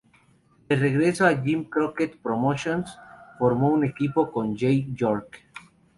De regreso a Jim Crockett Promotions, formó un equipo con Jay York.